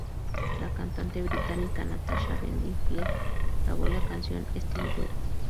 La cantante británica Natasha Bedingfield grabó la canción "Still Here".